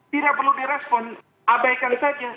tidak perlu direspon abaikan saja